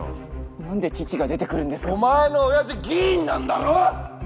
なんで父が出てくるんお前の親父議員なんだろ！